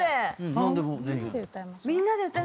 みんなで。